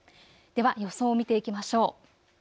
では、予想を見ていきましょう。